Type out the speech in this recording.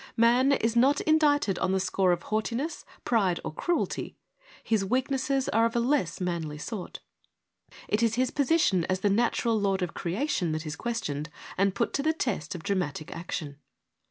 Man is not indicted on the score of haughtiness, pride or cruelty : his weaknesses are of a less ' manly ' sort. It is his position as the natural lord of creation that is questioned and put to the test of dramatic action.